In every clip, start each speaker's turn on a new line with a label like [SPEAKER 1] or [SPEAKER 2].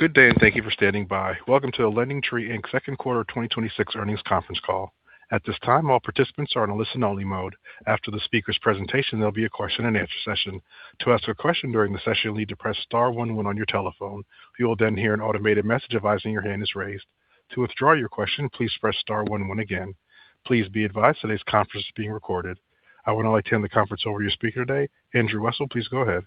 [SPEAKER 1] Good day, thank you for standing by. Welcome to the LendingTree, Inc. second quarter 2026 earnings conference call. At this time, all participants are in listen-only mode. After the speaker's presentation, there'll be a question-and-answer session. To ask a question during the session, you'll need to press star one one on your telephone. You will then hear an automated message advising that your hand is raised. To withdraw your question, please press star one one again. Please be advised today's conference is being recorded. I would now like to hand the conference over to your speaker today, Andrew Wessel. Please go ahead.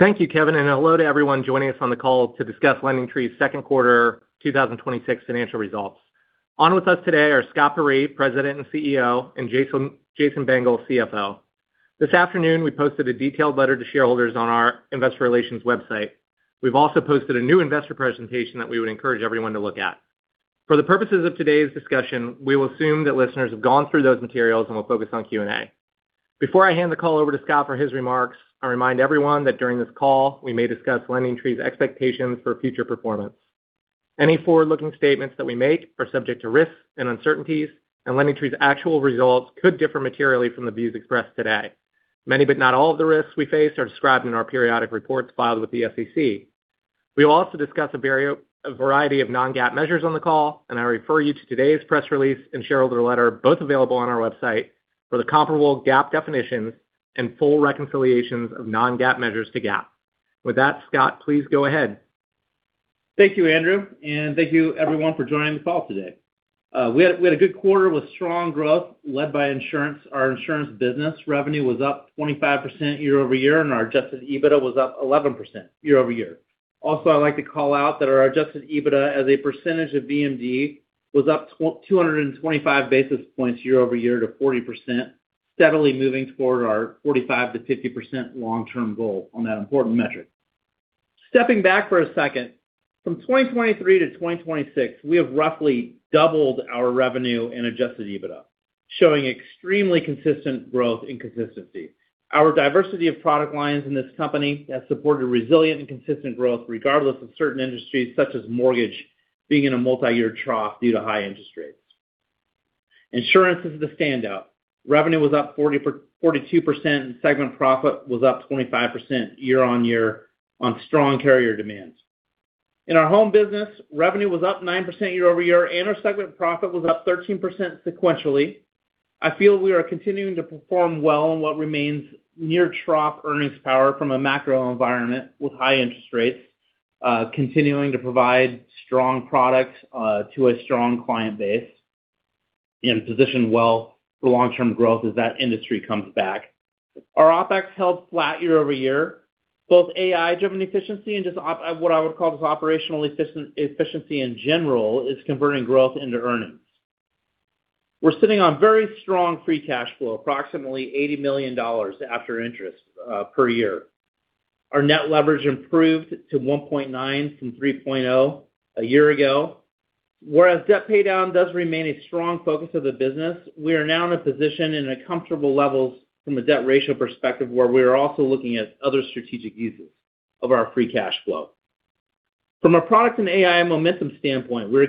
[SPEAKER 2] Thank you, Kevin. Hello to everyone joining us on the call to discuss LendingTree's second quarter 2026 financial results. On with us today are Scott Peyree, President and CEO, and Jason Bengel, CFO. This afternoon, we posted a detailed letter to shareholders on our investor relations website. We've also posted a new investor presentation that we would encourage everyone to look at. For the purposes of today's discussion, we will assume that listeners have gone through those materials and will focus on Q&A. Before I hand the call over to Scott for his remarks, I remind everyone that during this call, we may discuss LendingTree's expectations for future performance. Any forward-looking statements that we make are subject to risks and uncertainties, and LendingTree's actual results could differ materially from the views expressed today. Many, but not all, of the risks we face are described in our periodic reports filed with the SEC. We will also discuss a variety of non-GAAP measures on the call, and I refer you to today's press release and shareholder letter, both available on our website, for the comparable GAAP definitions and full reconciliations of non-GAAP measures to GAAP. With that, Scott, please go ahead.
[SPEAKER 3] Thank you, Andrew. Thank you, everyone, for joining the call today. We had a good quarter with strong growth led by insurance. Our insurance business revenue was up 25% year-over-year, and our adjusted EBITDA was up 11% year-over-year. I'd like to call out that our adjusted EBITDA as a percentage of VMM was up 225 basis points year-over-year to 40%, steadily moving toward our 45%-50% long-term goal on that important metric. Stepping back for a second, from 2023 to 2026, we have roughly doubled our revenue and adjusted EBITDA, showing extremely consistent growth and consistency. Our diversity of product lines in this company has supported resilient and consistent growth, regardless of certain industries, such as mortgage being in a multi-year trough due to high interest rates. Insurance is the standout. Revenue was up 42%, and segment profit was up 25% year-over-year on strong carrier demand. In our home business, revenue was up 9% year-over-year, and our segment profit was up 13% sequentially. I feel we are continuing to perform well in what remains near-trough earnings power from a macro environment with high interest rates, continuing to provide strong products to a strong client base, and positioned well for long-term growth as that industry comes back. Our OpEx held flat year-over-year. Both AI-driven efficiency and just what I would call just operational efficiency in general is converting growth into earnings. We're sitting on very strong free cash flow, approximately $80 million after interest per year. Our net leverage improved to 1.9x from 3.0x a year ago. Debt paydown does remain a strong focus of the business, we are now in a position in a comfortable level from a debt ratio perspective, where we are also looking at other strategic uses of our free cash flow. From a product and AI momentum standpoint, we're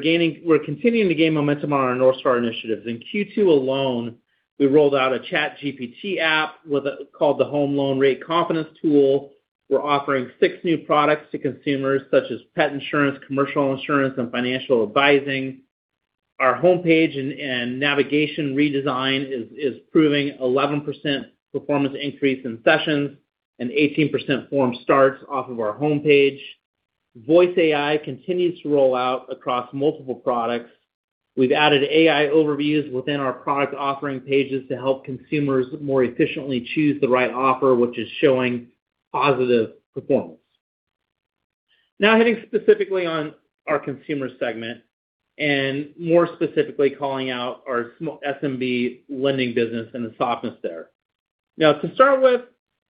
[SPEAKER 3] continuing to gain momentum on our North Star initiatives. In Q2 alone, we rolled out a ChatGPT app called the Home Loan Rate Confidence App. We're offering six new products to consumers, such as pet insurance, commercial insurance, and financial advising. Our homepage and navigation redesign is proving 11% performance increase in sessions and 18% form starts off of our homepage. Voice AI continues to roll out across multiple products. We've added AI overviews within our product offering pages to help consumers more efficiently choose the right offer, which is showing positive performance. Hitting specifically on our Consumer segment, and more specifically, calling out our SMB lending business and the softness there. To start with,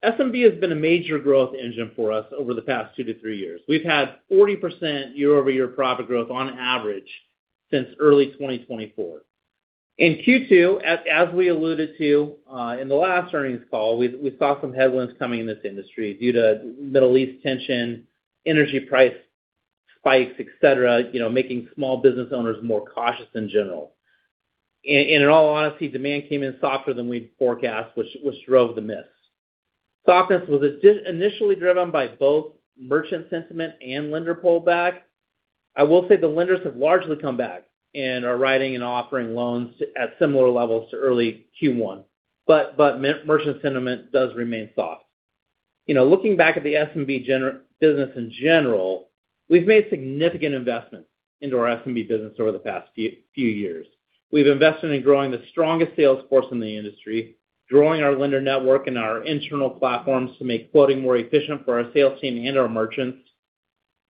[SPEAKER 3] SMB has been a major growth engine for us over the past two to three years. We've had 40% year-over-year profit growth on average since early 2024. In Q2, as we alluded to in the last earnings call, we saw some headwinds coming in this industry due to Middle East tension, energy price spikes, et cetera, making small business owners more cautious in general. In all honesty, demand came in softer than we'd forecast, which drove the miss. Softness was initially driven by both merchant sentiment and lender pullback. I will say the lenders have largely come back and are writing and offering loans at similar levels to early Q1. Merchant sentiment does remain soft. Looking back at the SMB business in general, we've made significant investments into our SMB business over the past few years. We've invested in growing the strongest sales force in the industry, growing our lender network and our internal platforms to make quoting more efficient for our sales team and our merchants,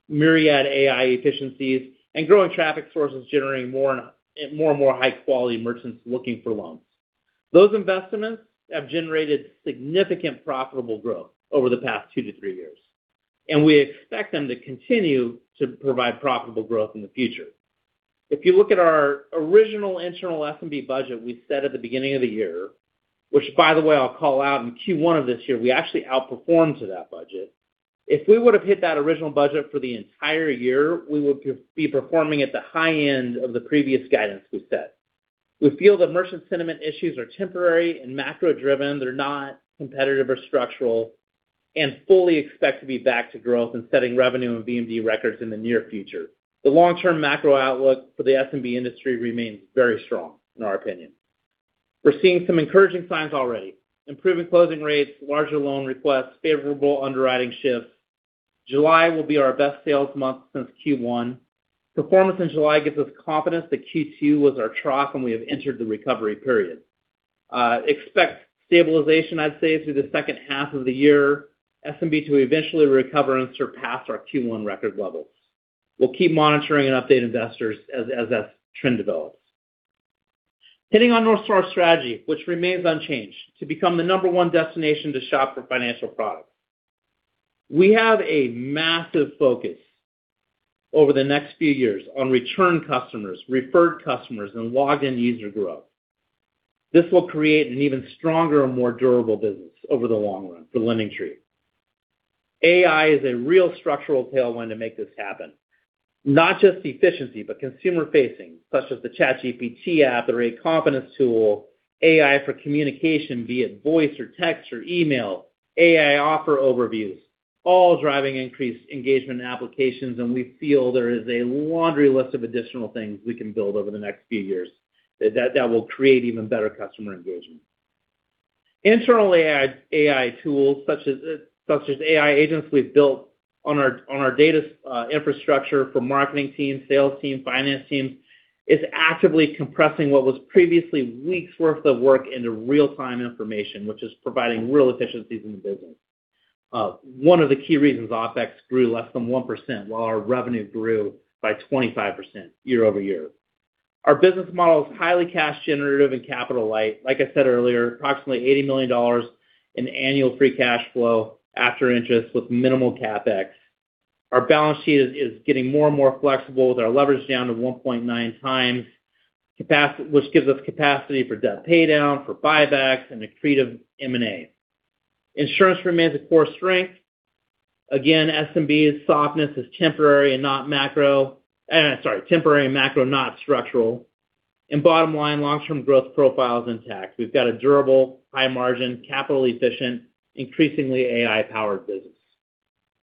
[SPEAKER 3] myriad AI efficiencies, and growing traffic sources generating more and more high-quality merchants looking for loans. Those investments have generated significant profitable growth over the past two to three years. We expect them to continue to provide profitable growth in the future. If you look at our original internal SMB budget we set at the beginning of the year, which, by the way, I'll call out in Q1 of this year, we actually outperformed to that budget. If we would have hit that original budget for the entire year, we would be performing at the high end of the previous guidance we set. We feel the merchant sentiment issues are temporary and macro-driven. They're not competitive or structural, and we fully expect to be back to growth and setting revenue and VMM records in the near future. The long-term macro outlook for the SMB industry remains very strong, in our opinion. We're seeing some encouraging signs already. Improving closing rates, larger loan requests, favorable underwriting shifts. July will be our best sales month since Q1. Performance in July gives us confidence that Q2 was our trough and we have entered the recovery period. Expect stabilization, I'd say, through the second half of the year, SMB to eventually recover and surpass our Q1 record levels. We'll keep monitoring and update investors as that trend develops. Hitting on North Star strategy, which remains unchanged, to become the number one destination to shop for financial products. We have a massive focus over the next few years on return customers, referred customers, and logged-in user growth. This will create an even stronger and more durable business over the long run for LendingTree. AI is a real structural tailwind to make this happen. Not just efficiency, but consumer-facing, such as the ChatGPT app, the rate confidence tool, AI for communication, be it voice or text or email, AI offer overviews. All driving increased engagement and applications, and we feel there is a laundry list of additional things we can build over the next few years that will create even better customer engagement. Internal AI tools such as AI agents we've built on our data infrastructure for marketing teams, sales teams, finance teams is actively compressing what was previously weeks' worth of work into real-time information, which is providing real efficiencies in the business. One of the key reasons OpEx grew less than 1% while our revenue grew by 25% year-over-year. Our business model is highly cash-generative and capital-light. Like I said earlier, approximately $80 million in annual free cash flow after interest, with minimal CapEx. Our balance sheet is getting more and more flexible, with our leverage down to 1.9x, which gives us capacity for debt paydown, for buybacks, and accretive M&A. Insurance remains a core strength. Again, SMB softness is temporary and macro, not structural. Bottom line, long-term growth profile is intact. We've got a durable, high-margin, capital-efficient, increasingly AI-powered business.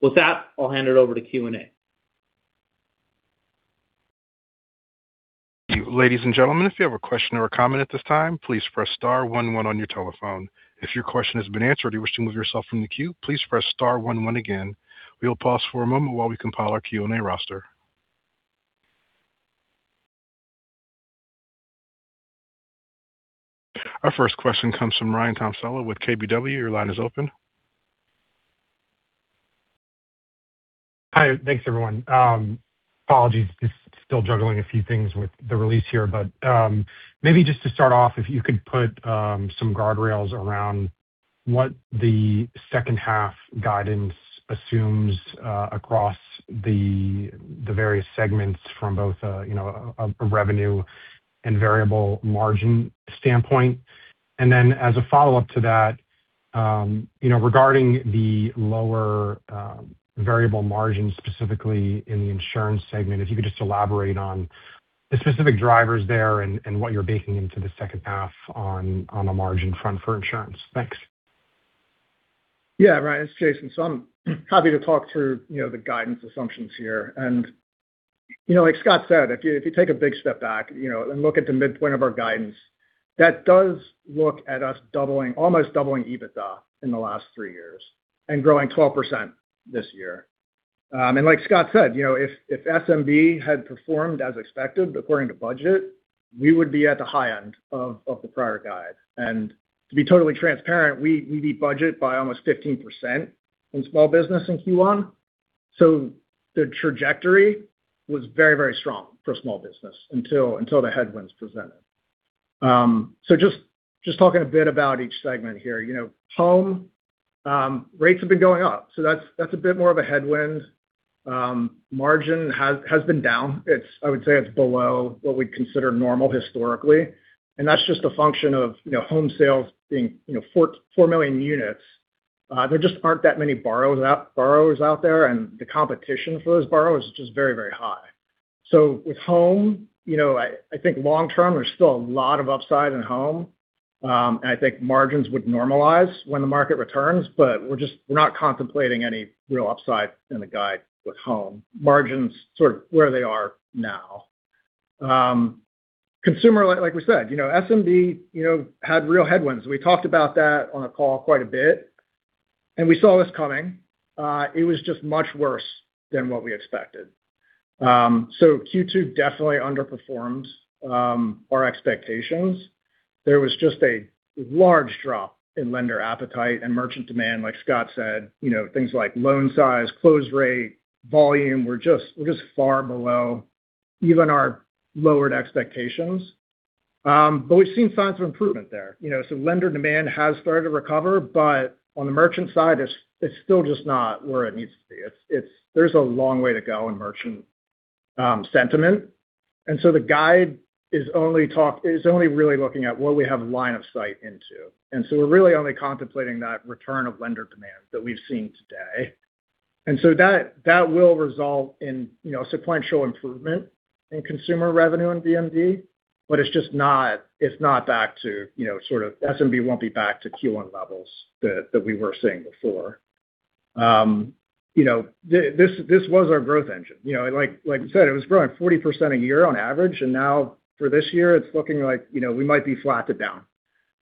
[SPEAKER 3] With that, I'll hand it over to Q&A.
[SPEAKER 1] Ladies and gentlemen, if you have a question or a comment at this time, please press star one one on your telephone. If your question has been answered and you wish to remove yourself from the queue, please press star one one again. We'll pause for a moment while we compile our Q&A roster. Our first question comes from Ryan Tomasello with KBW. Your line is open.
[SPEAKER 4] Hi, thanks, everyone. Apologies, just still juggling a few things with the release here, but maybe just to start off, if you could put some guardrails around what the second half guidance assumes across the various segments from both a revenue and variable margin standpoint. As a follow-up to that, regarding the lower variable margin, specifically in the insurance segment, if you could just elaborate on the specific drivers there and what you're baking into the second half on the margin front for insurance. Thanks.
[SPEAKER 5] Yeah, Ryan, it's Jason. I'm happy to talk through the guidance assumptions here. Like Scott said, if you take a big step back and look at the midpoint of our guidance, that does look at us almost doubling EBITDA in the last three years and growing 12% this year. Like Scott said, if SMB had performed as expected according to budget, we would be at the high end of the prior guide. To be totally transparent, we beat budget by almost 15% in small business in Q1. The trajectory was very strong for small business until the headwinds presented. Just talking a bit about each segment here. Home rates have been going up, so that's a bit more of a headwind. Margin has been down. I would say it's below what we'd consider normal historically, and that's just a function of home sales being 4 million units. There just aren't that many borrowers out there, and the competition for those borrowers is just very high. With home, I think long term, there's still a lot of upside in home. I think margins would normalize when the market returns, but we're not contemplating any real upside in the guide with home. Margins are sort of where they are now. Consumer, like we said, SMB had real headwinds. We talked about that on a call quite a bit, and we saw this coming. It was just much worse than what we expected. Q2 definitely underperformed our expectations. There was just a large drop in lender appetite and merchant demand, like Scott said. Things like loan size, close rate, volume were just far below even our lowered expectations. We've seen signs of improvement there. Lender demand has started to recover, but on the merchant side, it's still just not where it needs to be. There's a long way to go in merchant sentiment, the guide is only really looking at what we have line of sight into. We're really only contemplating that return of lender demand that we've seen today. That will result in sequential improvement in consumer revenue and VMM, but it's not back to, sort of, SMB won't be back to Q1 levels that we were seeing before. This was our growth engine. Like I said, it was growing 40% a year on average, now, for this year, it's looking like we might be flat to down.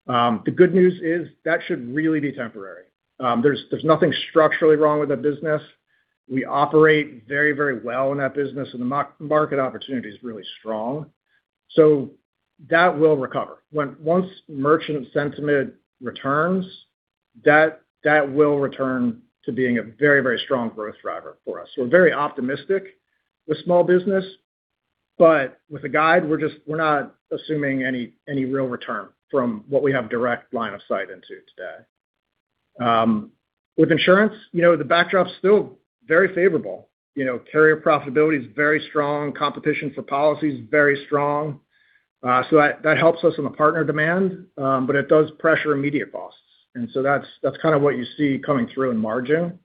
[SPEAKER 5] The good news is that should really be temporary. There's nothing structurally wrong with that business. We operate very well in that business, and the market opportunity is really strong. That will recover. Once merchant sentiment returns, that will return to being a very strong growth driver for us. We're very optimistic with small business; with the guide, we're not assuming any real return from what we have direct line of sight into today. With insurance, the backdrop's still very favorable. Carrier profitability is very strong. Competition for policy is very strong. That helps us on the partner demand, but it does pressure immediate costs. That's kind of what you see coming through in margin.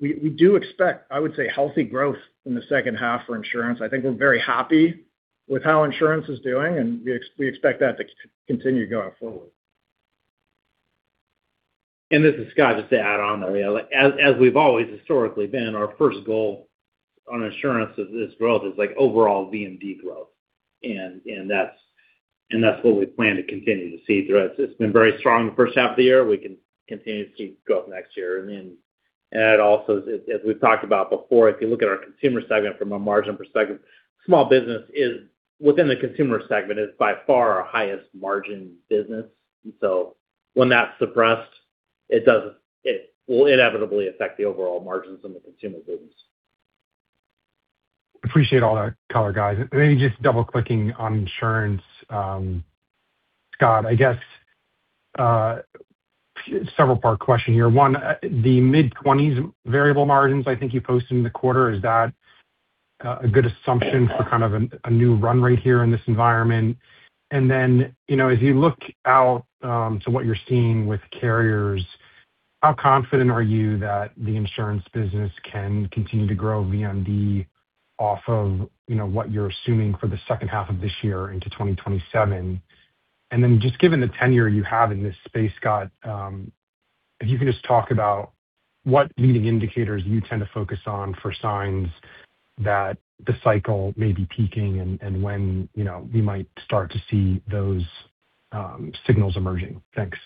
[SPEAKER 5] We do expect, I would say, healthy growth in the second half for insurance. I think we're very happy with how insurance is doing, we expect that to continue going forward.
[SPEAKER 3] This is Scott, just to add on there. As we've always historically been, our first goal on assurance of this growth is overall VMM growth. That's what we plan to continue to see throughout. It's been very strong the first half of the year. We can continue to see growth next year. Also, as we've talked about before, if you look at our consumer segment from a margin perspective, small business within the Consumer segment is by far our highest-margin business. When that's suppressed, it will inevitably affect the overall margins in the consumer business.
[SPEAKER 4] Appreciate all that color, guys. Maybe just double-clicking on insurance. Scott, I guess, several-part question here. One, the mid-20s variable margins I think you posted in the quarter, is that a good assumption for kind of a new run rate here in this environment? As you look out to what you're seeing with carriers, how confident are you that the insurance business can continue to grow VMM off of what you're assuming for the second half of this year into 2027? Just given the tenure you have in this space, Scott, if you can just talk about what leading indicators you tend to focus on for signs that the cycle may be peaking and when we might start to see those signals emerging. Thanks.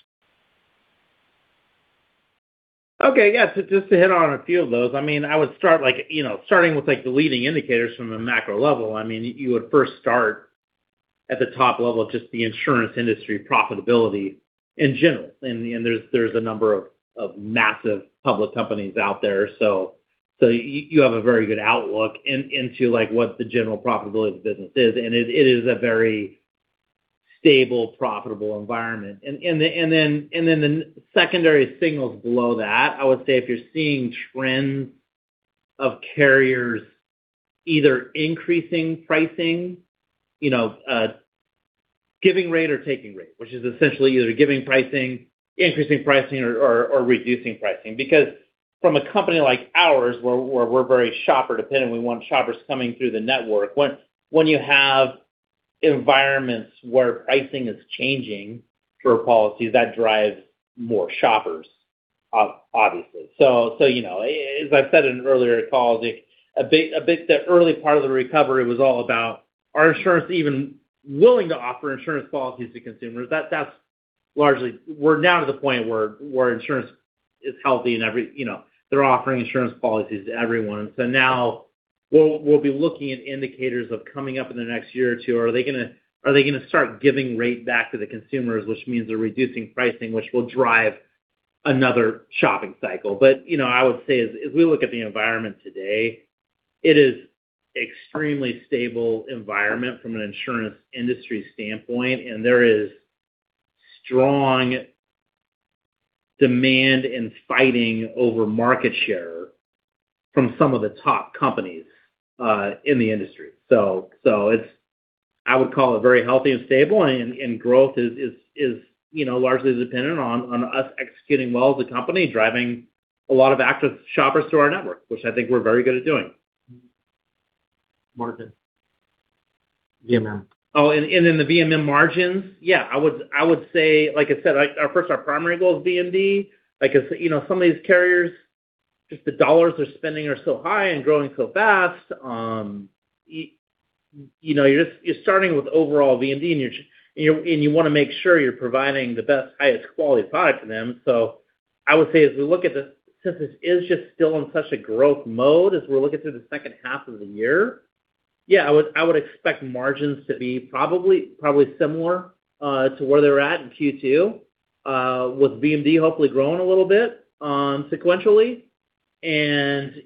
[SPEAKER 3] Okay. Yeah. Just to hit on a few of those, I would start with the leading indicators from a macro level. You would first start at the top level of just the insurance industry profitability in general. There's a number of massive public companies out there. You have a very good outlook into what the general profitability of the business is, and it is a very stable, profitable environment. The secondary signals below that, I would say if you're seeing trends of carriers either increasing pricing, giving rate, or taking rate, which is essentially either giving pricing, increasing pricing, or reducing pricing. From a company like ours, where we're very shopper-dependent, we want shoppers coming through the network. When you have environments where pricing is changing for policies, that drives more shoppers, obviously. As I said in an earlier call, the early part of the recovery was all about, are insurance even willing to offer insurance policies to consumers? We're now to the point where insurance is healthy, and they're offering insurance policies to everyone. Now we'll be looking at indicators of coming up in the next year or two. Are they going to start giving rates back to the consumers, which means they're reducing pricing, which will drive another shopping cycle. I would say as we look at the environment today, it is an extremely stable environment from an insurance industry standpoint, and there is strong demand and fighting over market share from some of the top companies in the industry. I would call it very healthy and stable, and growth is largely dependent on us executing well as a company, driving a lot of active shoppers to our network, which I think we're very good at doing.
[SPEAKER 5] Margin. VMM.
[SPEAKER 3] The VMM margins. I would say, like I said, first, our primary goal is VMM. Some of these carriers, just the $ they're spending, are so high and growing so fast. You're starting with overall VMM, and you want to make sure you're providing the best, highest quality product to them. I would say as we look at this, since it is just still in such a growth mode as we're looking through the second half of the year, I would expect margins to be probably similar to where they're at in Q2, with VMM hopefully growing a little bit sequentially. Again,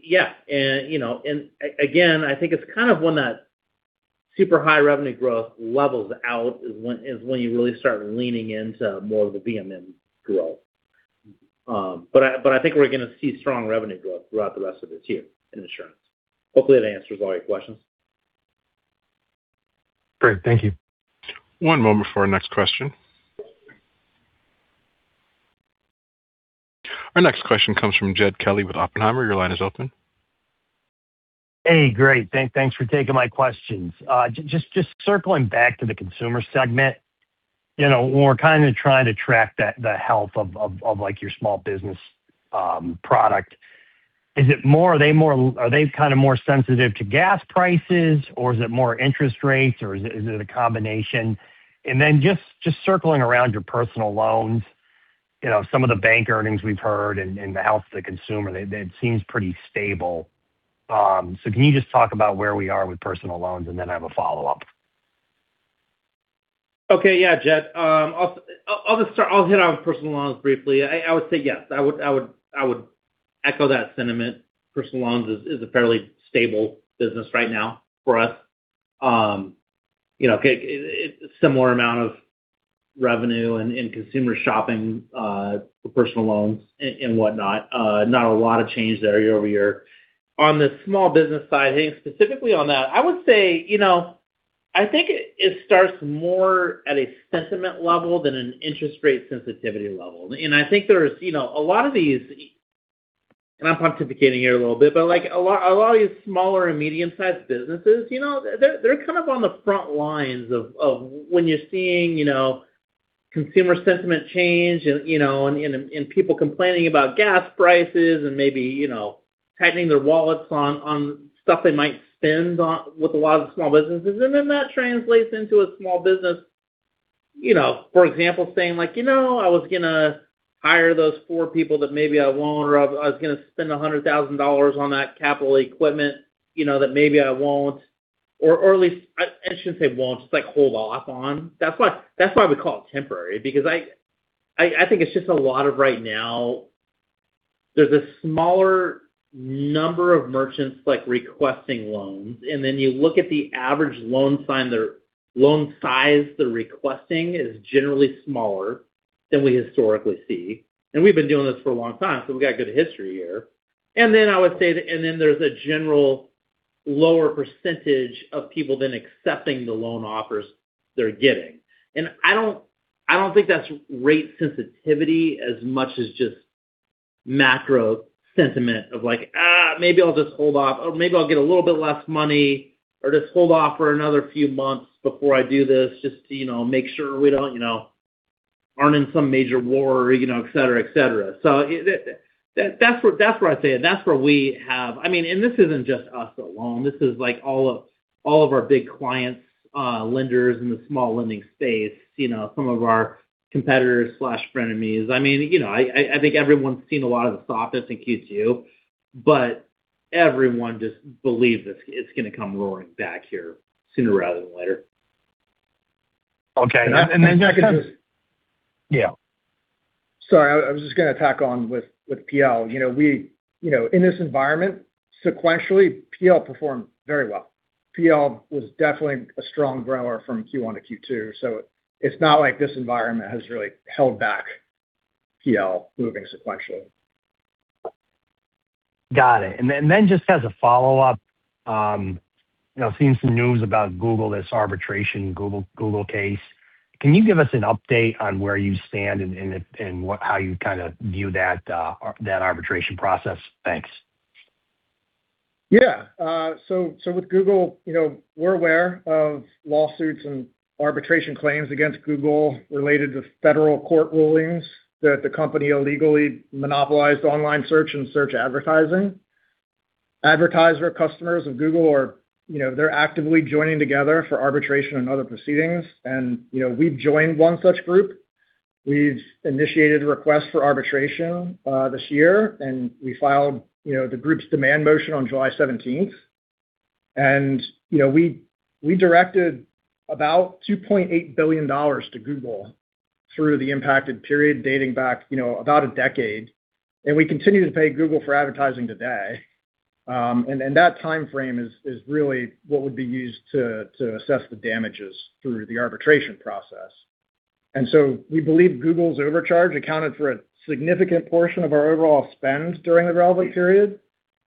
[SPEAKER 3] I think it's kind of when that super high revenue growth levels out is when you really start leaning into more of the VMM growth. I think we're going to see strong revenue growth throughout the rest of this year in insurance. Hopefully, that answers all your questions.
[SPEAKER 4] Great. Thank you.
[SPEAKER 1] One moment for our next question. Our next question comes from Jed Kelly with Oppenheimer. Your line is open.
[SPEAKER 6] Hey, great. Thanks for taking my questions. Just circling back to the consumer segment. We're kind of trying to track the health of your small business product. Are they more sensitive to gas prices, or is it more interest rates, or is it a combination? Just circling around your personal loans, some of the bank earnings we've heard and the health of the consumer, that seems pretty stable. Can you just talk about where we are with personal loans, and then I have a follow-up.
[SPEAKER 3] Okay. Yeah, Jed. I'll hit on personal loans briefly. I would say yes. I would echo that sentiment. Personal loans is a fairly stable business right now for us. Similar amount of revenue in consumer shopping for personal loans and whatnot. Not a lot of change there year-over-year. On the small business side, specifically on that, I would say, I think it starts more at a sentiment level than an interest rate sensitivity level. I think there is, and I'm pontificating here a little bit, but a lot of these smaller and medium-sized businesses, they're kind of on the front lines of when you're seeing consumer sentiment change and people complaining about gas prices and maybe tightening their wallets on stuff they might spend on with a lot of small businesses. That translates into a small business, for example, saying, "You know, I was going to hire those four people that maybe I won't," or, "I was going to spend $100,000 on that capital equipment that maybe I won't." Or at least, I shouldn't say won't, just hold off on. That's why we call it temporary, because I think it's just a lot of right now there's a smaller number of merchants requesting loans, you look at the average loan size they're requesting is generally smaller than we historically see. We've been doing this for a long time, so we've got good history here. I would say that there's a general lower percentage of people than accepting the loan offers they're getting. I don't think that's rate sensitivity as much as just macro sentiment of like, "Maybe I'll just hold off," or, "Maybe I'll get a little bit less money or just hold off for another few months before I do this, just to make sure we aren't in some major war," et cetera. That's where I say that's where we have. This isn't just us alone. This is all of our big clients, lenders in the small lending space, some of our competitors/frenemies. I think everyone's seen a lot of the softness in Q2, everyone just believes it's going to come roaring back here sooner rather than later.
[SPEAKER 6] Okay.
[SPEAKER 5] I can.
[SPEAKER 6] Yeah.
[SPEAKER 5] Sorry, I was just going to tack on with PL. In this environment, sequentially, PL performed very well. PL was definitely a strong grower from Q1 to Q2, it's not like this environment has really held back PL moving sequentially.
[SPEAKER 6] Got it. Then just as a follow-up, seeing some news about Google, this arbitration case. Can you give us an update on where you stand and how you view that arbitration process? Thanks.
[SPEAKER 5] Yeah. With Google, we're aware of lawsuits and arbitration claims against Google related to federal court rulings that the company illegally monopolized online search and search advertising. Advertiser customers of Google are actively joining together for arbitration and other proceedings. We've joined one such group. We've initiated a request for arbitration this year, we filed the group's demand motion on July 17th. We directed about $2.8 billion to Google through the impacted period dating back about a decade. We continue to pay Google for advertising today. That timeframe is really what would be used to assess the damages through the arbitration process. We believe Google's overcharge accounted for a significant portion of our overall spend during the relevant period,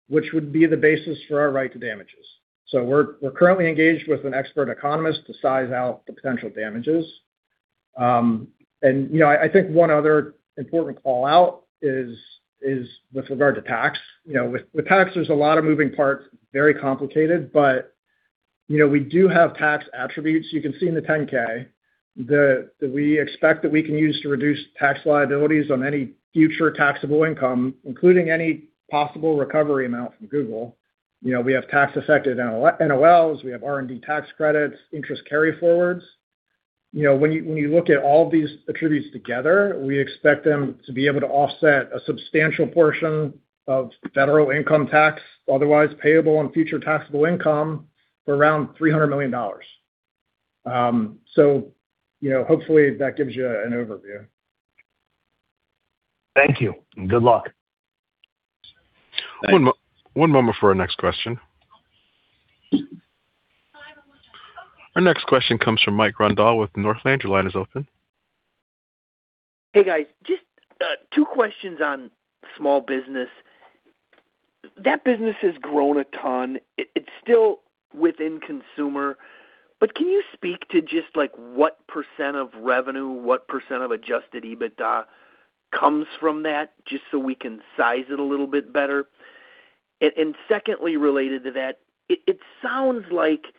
[SPEAKER 5] which would be the basis for our right to damages. We're currently engaged with an expert economist to size out the potential damages. I think one other important call-out is with regard to tax. With tax, there's a lot of moving parts, very complicated, but we do have tax attributes, you can see in the 10-K, that we expect that we can use to reduce tax liabilities on any future taxable income, including any possible recovery amount from Google. We have tax-affected NOLs, we have R&D tax credits, interest carry forwards. When you look at all these attributes together, we expect them to be able to offset a substantial portion of federal income tax otherwise payable on future taxable income for around $300 million. Hopefully that gives you an overview.
[SPEAKER 6] Thank you. Good luck.
[SPEAKER 3] Thanks.
[SPEAKER 1] One moment for our next question. Our next question comes from Mike Grondahl with Northland. Your line is open.
[SPEAKER 7] Hey guys, just two questions on small business. That business has grown a ton. It's still within consumer, but can you speak to just what percent of revenue, what percent of adjusted EBITDA comes from that, just so we can size it a little bit better? Secondly, related to that, it sounds like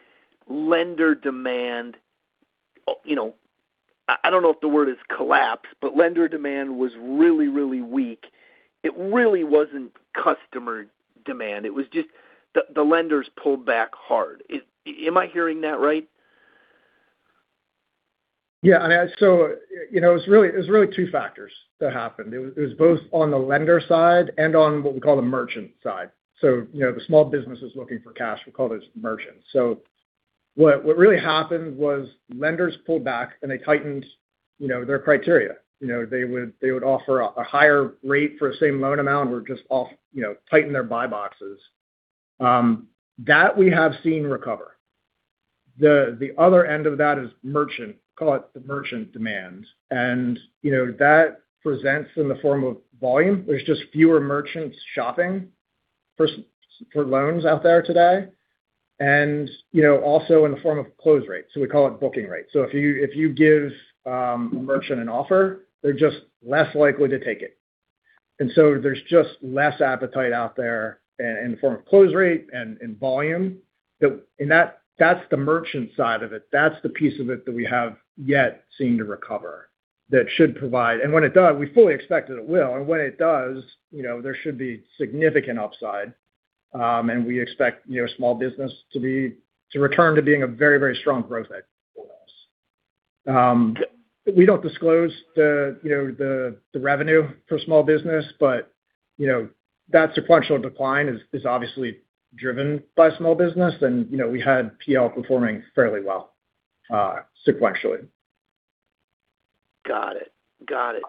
[SPEAKER 7] lender demand- I don't know if the word is collapsed, but lender demand was really, really weak. It really wasn't customer demand. It was just the lenders pulled back hard. Am I hearing that right?
[SPEAKER 5] Yeah. It was really two factors that happened. It was both on the lender side and on what we call the merchant side. The small business is looking for cash, we call those merchants. What really happened was lenders pulled back, and they tightened their criteria. They would offer a higher rate for the same loan amount or just tighten their buy boxes. That we have seen recover. The other end of that is merchant. Call it the merchant demand. That presents in the form of volume. There's just fewer merchants shopping for loans out there today, and also in the form of close rate. We call it booking rate. If you give a merchant an offer, they're just less likely to take it. There's just less appetite out there in the form of close rate and volume. That's the merchant side of it. That's the piece of it that we have yet seen to recover that should provide, when it does, we fully expect that it will. When it does, there should be significant upside. We expect small business to return to being a very, very strong growth for us. We don't disclose the revenue for small business, but that sequential decline is obviously driven by small business. We had PL performing fairly well sequentially.
[SPEAKER 7] Got it.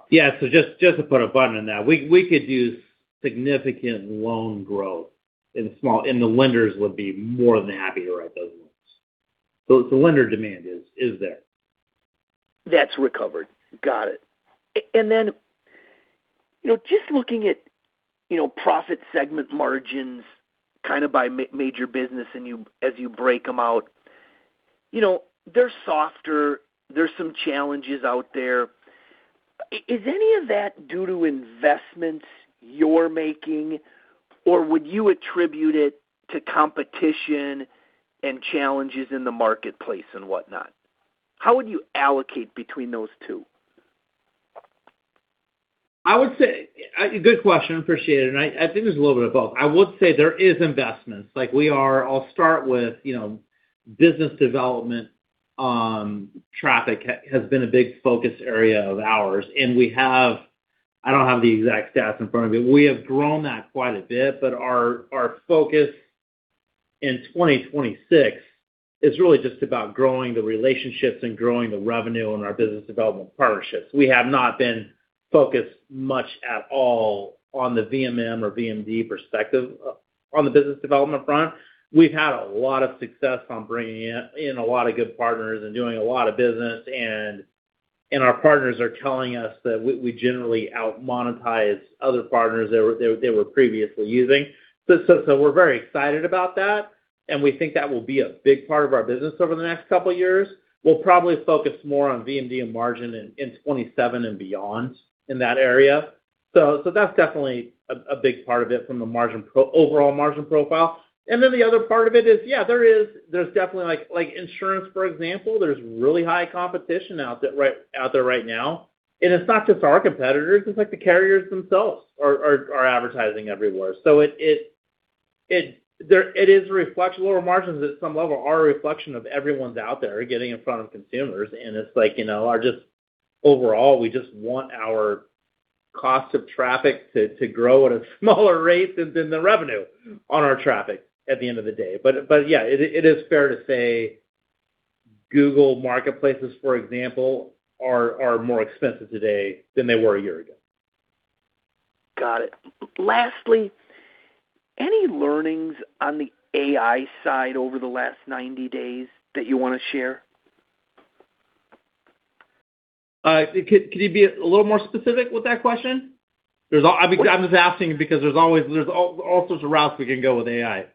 [SPEAKER 3] Yeah. Just to put a button on that. We could use significant loan growth in small, and the lenders would be more than happy to write those loans. The lender demand is there.
[SPEAKER 7] That's recovered. Got it. Then, just looking at profit segment margins by major business as you break them out. They're softer, there's some challenges out there. Is any of that due to investments you're making, or would you attribute it to competition and challenges in the marketplace and whatnot? How would you allocate between those two?
[SPEAKER 3] I would say, good question, appreciate it. I think there's a little bit of both. I would say there is investments. I'll start with business development; traffic has been a big focus area of ours. I don't have the exact stats in front of me. We have grown that quite a bit, but our focus in 2026 is really just about growing the relationships and growing the revenue in our business development partnerships. We have not been focused much at all on the VMM or VMD perspective on the business development front. We've had a lot of success on bringing in a lot of good partners and doing a lot of business. Our partners are telling us that we generally out-monetize other partners they were previously using. We're very excited about that, and we think that will be a big part of our business over the next couple of years. We'll probably focus more on VMM and margin in 2027 and beyond in that area. That's definitely a big part of it from the overall margin profile. The other part of it is, yeah, there's definitely insurance, for example. There's really high competition out there right now. It's not just our competitors, it's like the carriers themselves are advertising everywhere. It is a reflection. Lower margins at some level are a reflection of everyone out there getting in front of consumers. Overall, we just want our cost of traffic to grow at a smaller rate than the revenue on our traffic at the end of the day. Yeah, it is fair to say Google marketplaces, for example, are more expensive today than they were a year ago.
[SPEAKER 7] Got it. Lastly, any learnings on the AI side over the last 90 days that you want to share?
[SPEAKER 3] Could you be a little more specific with that question? I'm just asking because there's all sorts of routes we can go with AI.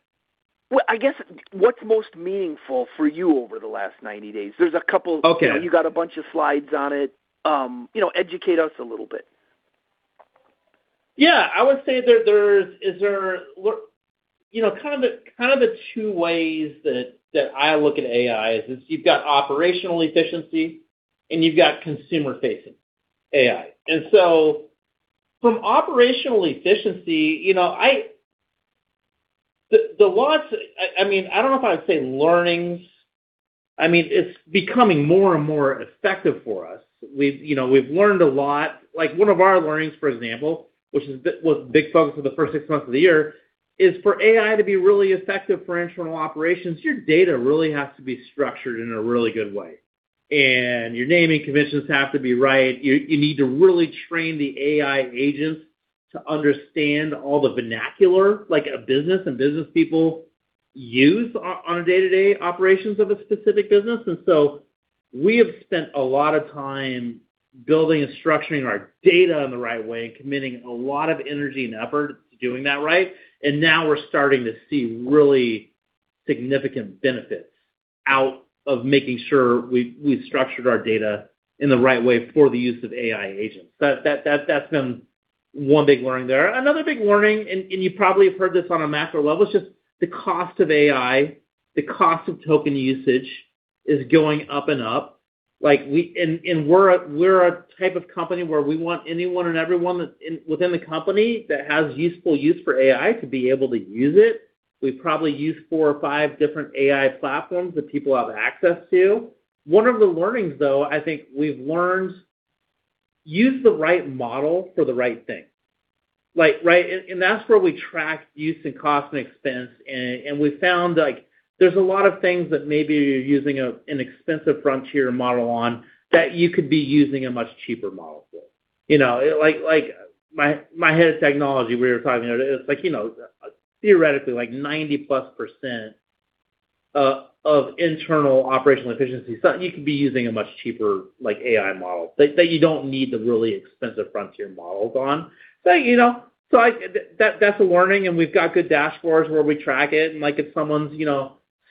[SPEAKER 7] Well, I guess, what's most meaningful for you over the last 90 days?
[SPEAKER 3] Okay
[SPEAKER 7] You got a bunch of slides on it. Educate us a little bit. Yeah, I would say there's kind of two ways that I look at AI is you've got operational efficiency, and you've got consumer-facing AI. From operational efficiency, I don't know if I'd say learnings. It's becoming more and more effective for us. We've learned a lot. One of our learnings, for example, which was a big focus for the first six months of the year, is for AI to be really effective for internal operations, your data really has to be structured in a really good way. Your naming conventions have to be right. You need to really train the AI agents to understand all the vernacular like a business and business people use on a day-to-day operations of a specific business.
[SPEAKER 3] We have spent a lot of time building and structuring our data in the right way and committing a lot of energy and effort to doing that right. Now we're starting to see really significant benefits out of making sure we've structured our data in the right way for the use of AI agents. That's been one big learning there. Another big learning, and you probably have heard this on a macro level, is just the cost of AI, the cost of token usage is going up and up. We're a type of company where we want anyone and everyone within the company that has a useful use for AI to be able to use it. We probably use four or five different AI platforms that people have access to. One of the learnings, though, I think we've learned, use the right model for the right thing. Right? That's where we track use and cost and expense, and we found there's a lot of things that maybe you're using an expensive frontier model on that you could be using a much cheaper model for. My head of technology we were talking, it's theoretically like 90+% of internal operational efficiency. You could be using a much cheaper AI model that you don't need the really expensive frontier models on. That's a learning, and we've got good dashboards where we track it, and if someone's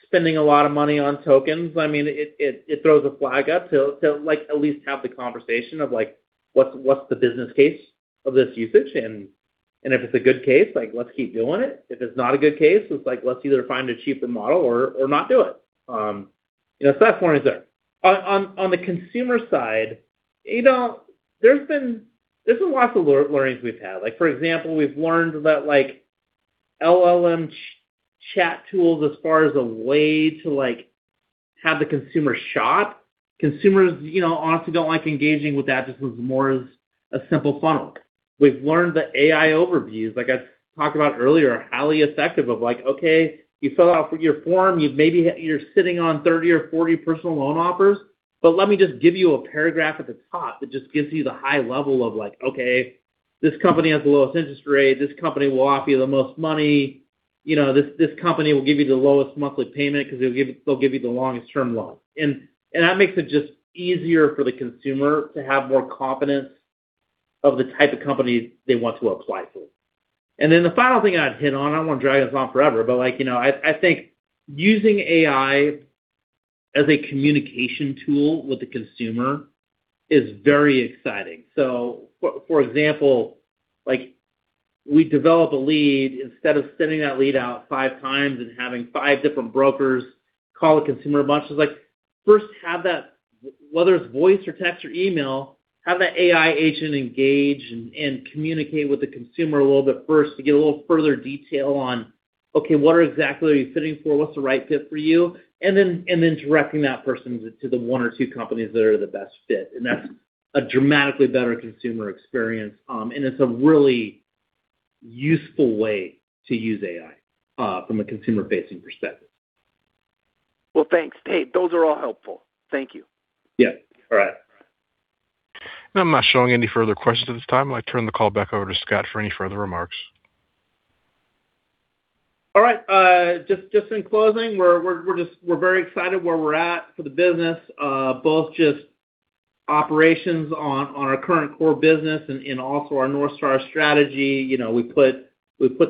[SPEAKER 3] spending a lot of money on tokens, it throws a flag up to at least have the conversation of what's the business case of this usage? If it's a good case, let's keep doing it. If it's not a good case, it's let's either find a cheaper model or not do it. That's one there. On the consumer side, there's been lots of learnings we've had. For example, we've learned that LLM chat tools as far as a way to have the consumer shop. Consumers honestly don't like engaging with that. This was more as a simple funnel. We've learned the AI overviews, like I talked about earlier, are highly effective of like, okay, you fill out your form, maybe you're sitting on 30 or 40 personal loan offers, but let me just give you a paragraph at the top that just gives you the high level of, okay, this company has the lowest interest rate. This company will offer you the most money. This company will give you the lowest monthly payment because they'll give you the longest-term loan. That makes it just easier for the consumer to have more confidence of the type of companies they want to apply for. The final thing I'd hit on, I don't want to drag this on forever, but I think using AI as a communication tool with the consumer is very exciting. For example, we develop a lead. Instead of sending that lead out five times and having five different brokers call the consumer a bunch, it's like first have that, whether it's voice or text or email, have that AI agent engage and communicate with the consumer a little bit first to get a little further detail on, okay, what exactly are you fitting for? What's the right fit for you? Then directing that person to the one or two companies that are the best fit. That's a dramatically better consumer experience, and it's a really useful way to use AI from a consumer-facing perspective.
[SPEAKER 7] Thanks. Those are all helpful. Thank you.
[SPEAKER 3] Yeah. All right.
[SPEAKER 1] I'm not showing any further questions at this time. I'd like to turn the call back over to Scott for any further remarks.
[SPEAKER 3] All right. Just in closing, we're very excited where we're at for the business, both just operations on our current core business and also our North Star strategy. We put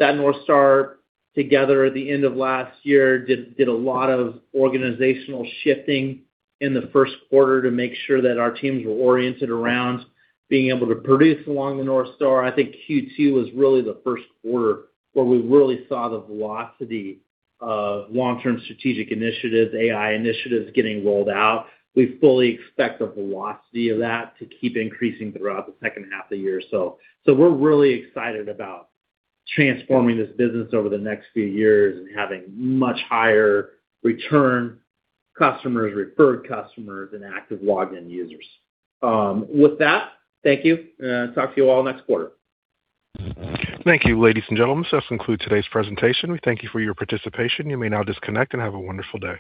[SPEAKER 3] that North Star together at the end of last year, did a lot of organizational shifting in the first quarter to make sure that our teams were oriented around being able to produce along the North Star. I think Q2 was really the first quarter where we really saw the velocity of long-term strategic initiatives, AI initiatives getting rolled out. We fully expect the velocity of that to keep increasing throughout the second half of the year. We're really excited about transforming this business over the next few years and having much higher return customers, referred customers, and active login users. With that, thank you. Talk to you all next quarter.
[SPEAKER 1] Thank you, ladies and gentlemen. This concludes today's presentation. We thank you for your participation. You may now disconnect and have a wonderful day.